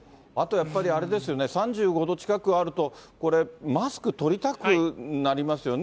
やっぱり、あれですよね、３５度近くあると、これ、マスク取りたくなりますよね。